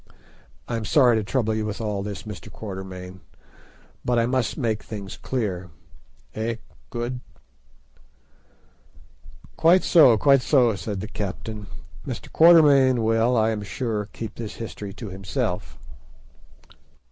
I am sorry to trouble you with all this, Mr. Quatermain, but I must to make things clear, eh, Good?" "Quite so, quite so," said the captain. "Mr. Quatermain will, I am sure, keep this history to himself."